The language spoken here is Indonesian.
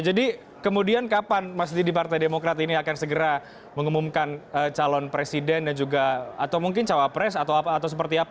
jadi kemudian kapan mas didi di partai demokrat ini akan segera mengumumkan calon presiden dan juga atau mungkin juga di negara negara maju yang akan berkoalisi